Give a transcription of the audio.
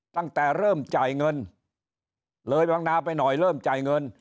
ตั้งแต่เริ่มจ่ายเงินเลยบางนาไปหน่อยเริ่มจ่ายเงิน